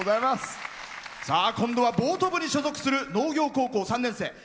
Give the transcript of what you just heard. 今度はボート部に所属する農業高校３年生。